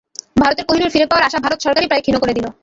ভারতের কোহিনূর ফিরে পাওয়ার আশা ভারত সরকারই প্রায় ক্ষীণ করে দিল।